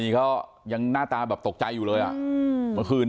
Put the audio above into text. พี่สภัยลงมาดูว่าเกิดอะไรขึ้น